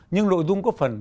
nhưng nội dung có phần bất ngờ